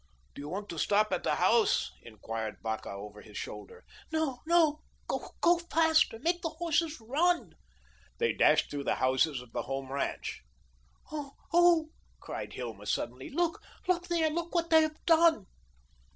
"Do you want to stop at the house?" inquired Vacca over his shoulder. "No, no; oh, go faster make the horses run." They dashed through the houses of the Home ranch. "Oh, oh," cried Hilma suddenly, "look, look there. Look what they have done."